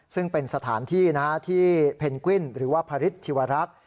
ซึ่งเป็นสถานที่ที่เพนกวิ้นหรือว่าพระฤทธิวรักษ์